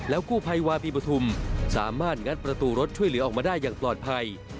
กู้ภัยวาปีปฐุมสามารถงัดประตูรถช่วยเหลือออกมาได้อย่างปลอดภัย